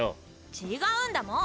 違うんだもん！